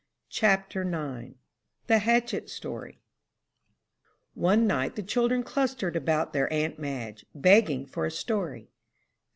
CHAPTER IX THE HATCHET STORY One night the children clustered about their aunt Madge, begging for a story.